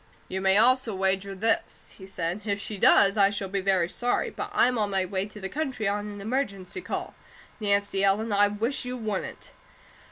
"You may also wager this," he said. "If she does, I shall be very sorry, but I'm on my way to the country on an emergency call. Nancy Ellen, I wish you wouldn't!"